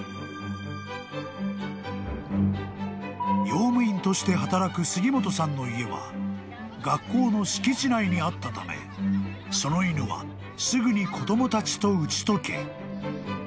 ［用務員として働く杉本さんの家は学校の敷地内にあったためその犬はすぐに子供たちと打ち解け］